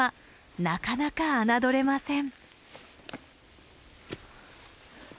なかなか侮れません。